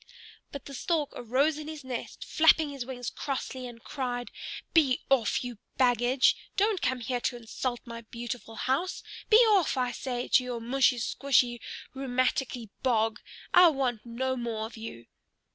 But the Stork arose in his nest, flapping his wings crossly, and cried, "Be off, you baggage! Don't come here to insult my beautiful house. Be off, I say, to your mushy squshy, rheumaticky bog. I want no more of you!"